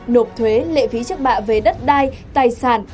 nộp thuế lệ phí trước bạ về đất đai tài sản